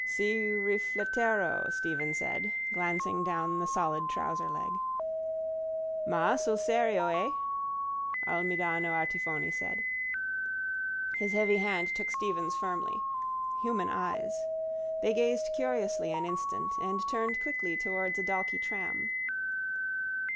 —Ci rifletterò, Stephen said, glancing down the solid trouserleg. —Ma, sul serio, eh? Almidano Artifoni said. His heavy hand took Stephen's firmly. Human eyes. They gazed curiously an instant and turned quickly towards a Dalkey tram.